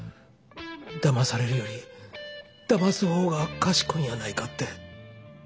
だまされるよりだます方がかしこいんやないかって。